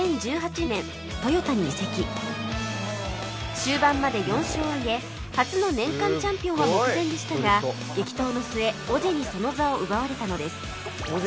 終盤まで４勝を挙げ初の年間チャンピオンは目前でしたが激闘の末オジェにその座を奪われたのです